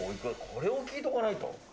これを聞いておかないと。